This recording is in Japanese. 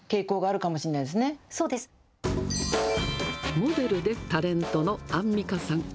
モデルでタレントのアンミカさん。